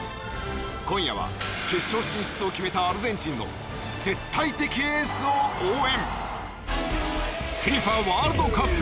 今夜は決勝進出を決めたアルゼンチンの絶対的エースを応援！